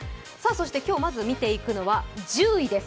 今日まず見ていくのは、１０位です。